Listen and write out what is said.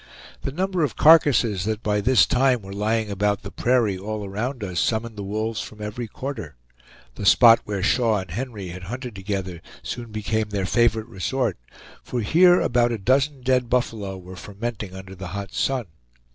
The number of carcasses that by this time were lying about the prairie all around us summoned the wolves from every quarter; the spot where Shaw and Henry had hunted together soon became their favorite resort, for here about a dozen dead buffalo were fermenting under the hot sun.